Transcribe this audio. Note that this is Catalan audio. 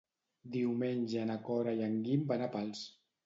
Diumenge na Cora i en Guim van a Pals.